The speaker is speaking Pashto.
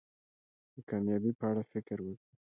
د کامیابی په اړه فکر وکړی.